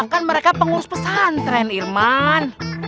kan mereka pengurus pesantren irman